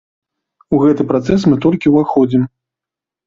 У гэты працэс мы толькі ўваходзім.